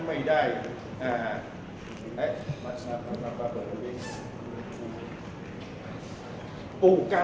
มันเป็นสิ่งที่เราไม่รู้สึกว่า